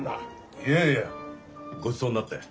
いやいやごちそうになって。